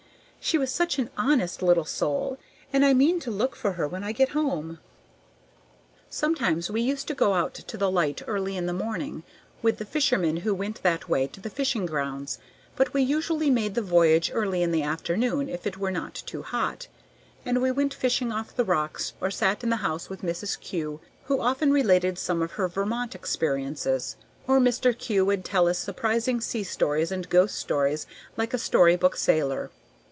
"She was such an honest little soul, and I mean to look for her when I get home." Sometimes we used to go out to the Light early in the morning with the fishermen who went that way to the fishing grounds, but we usually made the voyage early in the afternoon if it were not too hot, and we went fishing off the rocks or sat in the house with Mrs. Kew, who often related some of her Vermont experiences, or Mr. Kew would tell us surprising sea stories and ghost stories like a story book sailor.